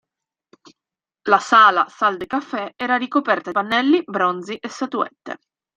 La sala "salle de café" era ricoperta di pannelli, bronzi e statuette.